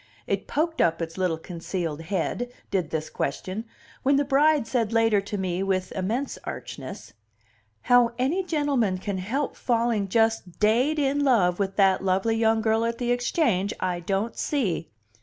It poked up its little concealed head, did this question, when the bride said later to me, with immense archness: "How any gentleman can help falling just daid in love with that lovely young girl at the Exchange, I don't see!"